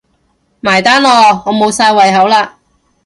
埋單囉，我無晒胃口喇